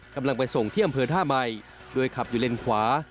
กำลังไปส่งเที่ยมเผลอท่าใหม่ด้วยขับอยู่เลนควา